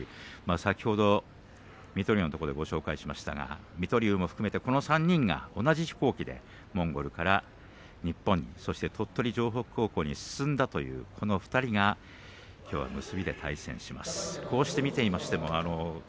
先ほど水戸龍のところでご紹介しましたが水戸龍も含めて３人が同じ飛行機で日本に来てそして鳥取城北高校に進んだという、この２人が結びで対戦します。